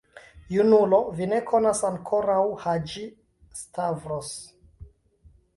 Junulo, vi ne konas ankoraŭ Haĝi-Stavros.